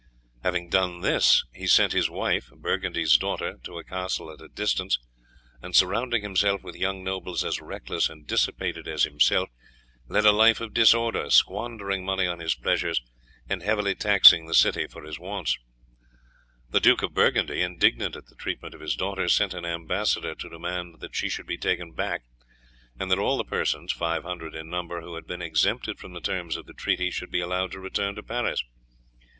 Having done this, he sent his wife, Burgundy's daughter, to a castle at a distance, and surrounding himself with young nobles as reckless and dissipated as himself, led a life of disorder, squandering money on his pleasures, and heavily taxing the city for his wants. The Duke of Burgundy, indignant at the treatment of his daughter, sent an ambassador to demand that she should be taken back, and that all the persons, five hundred in number, who had been exempted from the terms of the treaty, should be allowed to return to Paris.